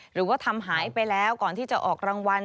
หรือว่าทำหายไปแล้วก่อนที่จะออกรางวัล